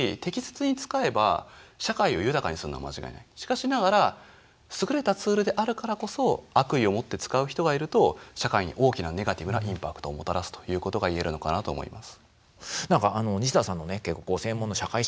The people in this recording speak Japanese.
しかしながら優れたツールであるからこそ悪意を持って使う人がいると社会に大きなネガティブなインパクトをもたらすということが言えるのかなと思います。